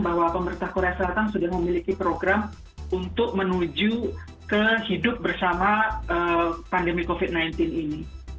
bahwa pemerintah korea selatan sudah memiliki program untuk menuju ke hidup bersama pandemi covid sembilan belas ini